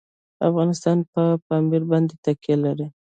افغانستان په پامیر باندې تکیه لري.